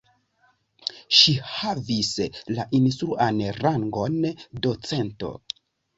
Ŝi havis la instruan rangon docento.